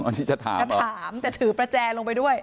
อ๋อนี่จะถามเหรอจะถามจะถือประแจลงไปด้วย